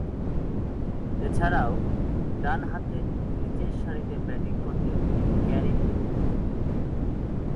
এছাড়াও, ডানহাতে নিচেরসারিতে ব্যাটিং করতেন গ্যারি ট্রুপ।